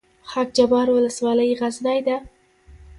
خاک جبار ولسوالۍ غرنۍ ده؟